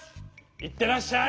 いってらっしゃい。